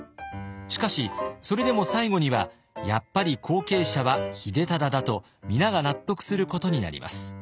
しかしそれでも最後にはやっぱり後継者は秀忠だと皆が納得することになります。